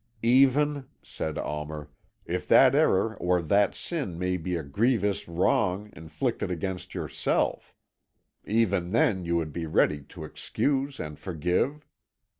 '" "Even," said Almer, "if that error or that sin may be a grievous wrong inflicted against yourself. Even then you would be ready to excuse and forgive?"